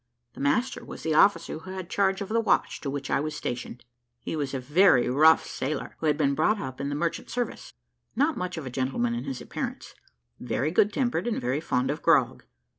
The master was the officer who had charge of the watch to which I was stationed; he was a very rough sailor, who had been brought up in the merchant service, not much of a gentleman in his appearance, very good tempered, and very fond of grog.